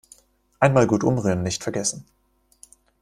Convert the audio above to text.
Einmal gut umrühren nicht vergessen.